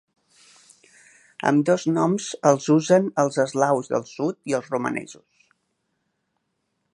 Ambdós noms els usen els eslaus del sud i els romanesos.